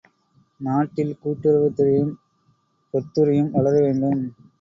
நாட்டில் கூட்டுறவுத்துறையும் பொத்துறையும் வளர வேண்டும்.